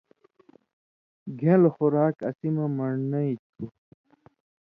گِھن٘ل خوراک اسی مہ من٘ڑنئ تُھو۔